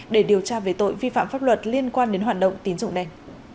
để điều tra về tội vi phạm pháp luật liên quan đến hoạt động tín dụng đèn